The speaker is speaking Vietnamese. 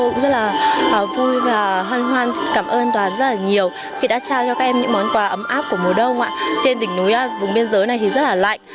tôi cũng rất là vui và hoan hoan cảm ơn toàn rất là nhiều khi đã trao cho các em những món quà ấm áp của mùa đông trên tỉnh núi vùng biên giới này thì rất là lạnh